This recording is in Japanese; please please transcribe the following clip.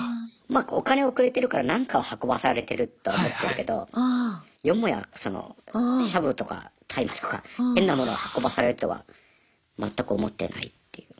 まあお金をくれてるからなんかを運ばされてるとは思ってるけどよもやそのシャブとか大麻とか変な物を運ばされるとは全く思ってないっていう。